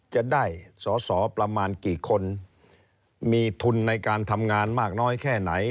จะได้สอสอประมาณกี่คนมีทุนในการทำงานมากน้อยแค่ไหน